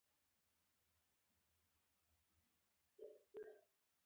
چې نور افسران زموږ خبرې واوري، نو غلي اوسئ.